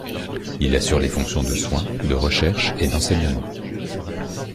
Il assure les fonctions de soins, de recherche et d'enseignement.